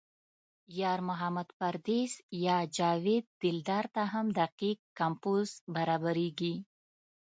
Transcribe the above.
یار محمد پردیس یا جاوید دلدار ته هم دقیق کمپوز برابرېږي.